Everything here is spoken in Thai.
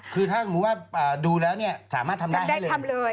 คือถ้าอย่างมือว่าดูแล้วเนี่ยสามารถทำได้ให้เลยทำได้ทำเลย